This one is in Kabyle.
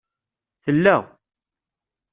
Tella